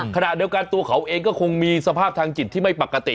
ขณะเดียวกันตัวเขาเองก็คงมีสภาพทางจิตที่ไม่ปกติ